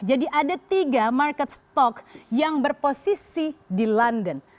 jadi ada tiga market stock yang berposisi di london